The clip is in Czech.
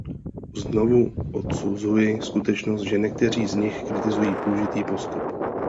Znovu odsuzuji skutečnost, že někteří z nich kritizují použitý postup.